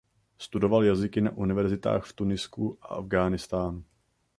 Studoval jazyky na univerzitách v Tunisku a v Afghánistánu.